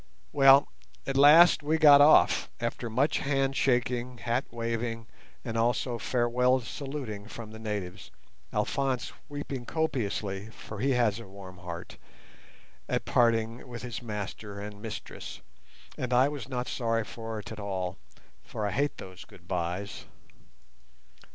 Well, at last we got off, after much hand shaking, hat waving, and also farewell saluting from the natives, Alphonse weeping copiously (for he has a warm heart) at parting with his master and mistress; and I was not sorry for it at all, for I hate those goodbyes.